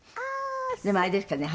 「でもあれですかね？